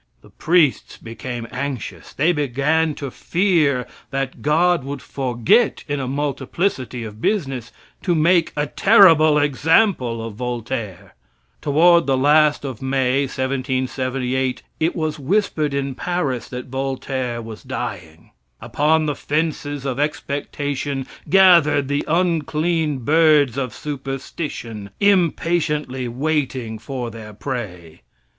The priests became anxious. They began to fear that God would forget, in a multiplicity of business, to make a terrible example of Voltaire. Toward the last of May, 1778, it was whispered in Paris that Voltaire was dying. Upon the fences of expectation gathered the unclean birds of superstition, impatiently waiting for their prey.